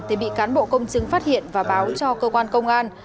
thì bị cán bộ công chứng phát hiện và báo cho cơ quan công an